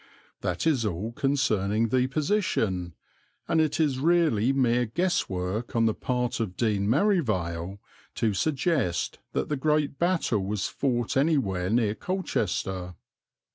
That is all concerning the position, and it is really mere guess work on the part of Dean Merivale to suggest that the great battle was fought anywhere near Colchester.